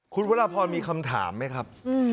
คุณวรพรมีคำถามไหมครับ